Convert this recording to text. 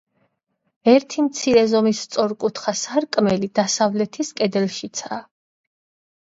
ერთი მცირე ზომის სწორკუთხა სარკმელი დასავლეთის კედელშიცაა.